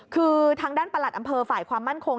คือทางด้านประหลัดอำเภอฝ่ายความมั่นคง